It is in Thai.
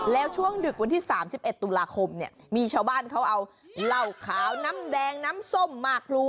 แล้วช่วงดึกวันที่๓๑ตุลาคมเนี่ยมีชาวบ้านเขาเอาเหล้าขาวน้ำแดงน้ำส้มมากพลู